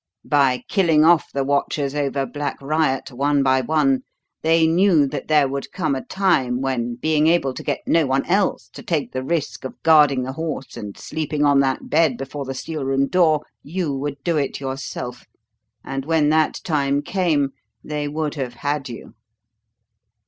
By killing off the watchers over Black Riot one by one they knew that there would come a time when, being able to get no one else to take the risk of guarding the horse and sleeping on that bed before the steel room door, you would do it yourself; and when that time came they would have had you."